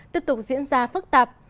tiếp tục diễn ra phức tạp